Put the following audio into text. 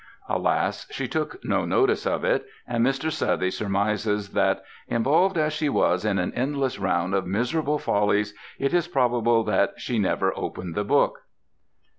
Alas, she took no notice of it, and Mr. Southey surmises that "Involved as she was in an endless round of miserable follies, it is probable that she never opened the book."